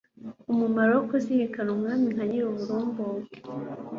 umumaro wo kuzirikana umwami nka Nyiruburumbuke